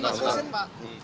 terima kasih pak